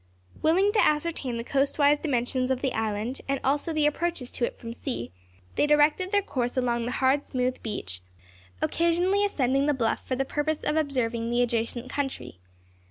Willing to ascertain the coastwise dimensions of the island, and also the approaches to it from sea, they directed their course along the hard smooth beach, occasionally ascending the bluff for the purpose of observing the adjacent country.